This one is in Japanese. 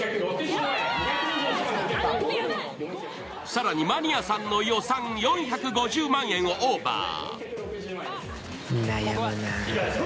更に、マニアさんの予算４５０万円をオーバー。